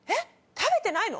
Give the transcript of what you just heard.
食べてないの？